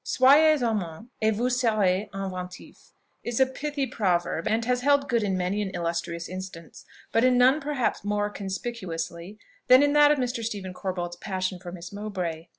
"Soyez amant, et vous serez inventif," is a pithy proverb, and has held good in many an illustrious instance, but in none, perhaps, more conspicuously than in that of Mr. Stephen Corbold's passion for Miss Mowbray.